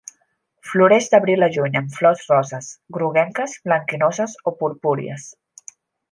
Floreix d'abril a juny amb flors roses, groguenques, blanquinoses o purpúries.